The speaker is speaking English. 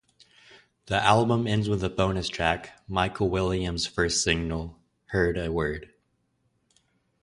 The album ends with a bonus track, Michelle Williams's first single, "Heard A Word".